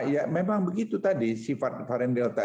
ya memang begitu tadi sifat varian delta